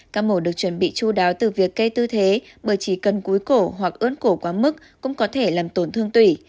các mổ được chuẩn bị chú đáo từ việc cây tư thế bởi chỉ cần cúi cổ hoặc ướn cổ quá mức cũng có thể làm tổn thương tủy